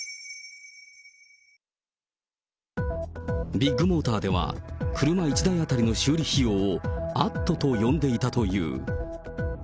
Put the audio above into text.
ビッグモーターでは、車１台当たりの修理費用をアットと呼んでいたという。